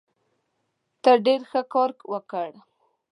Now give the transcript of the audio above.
ته ډېر ښه کار وکړ.